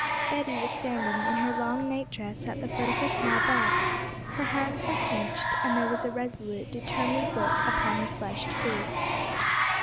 Betty was standing in her long nightdress at the foot of her small bed; her hands were clenched, and there was a resolute, determined look upon her flushed face.